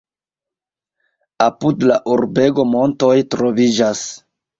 Apud la urbego montoj troviĝas.